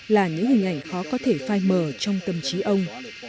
là những hình ảnh khó có thể phai mờ trong tâm trí ông